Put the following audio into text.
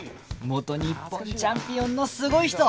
元日本チャンピオンのすごい人！